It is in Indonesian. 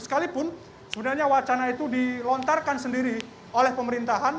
sekalipun sebenarnya wacana itu dilontarkan sendiri oleh pemerintahan